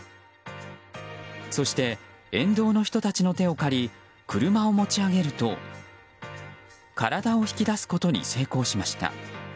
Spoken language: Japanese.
そして、沿道の人たちの手を借り車を持ち上げると体を引き出すことに成功しました。